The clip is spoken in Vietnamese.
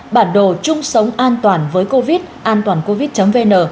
bản đồ trung sống an toàn với covid antoancovid vn